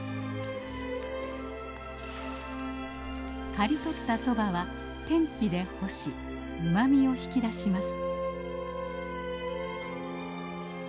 刈り取ったソバは天日で干しうまみを引き出します。